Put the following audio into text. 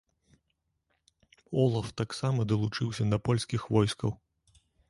Олаф таксама далучыўся да польскіх войскаў.